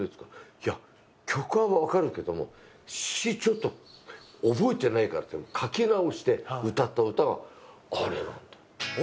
いや、曲は分かるけども、詞、ちょっと覚えてないからって書き直して歌った歌があれなんだよ。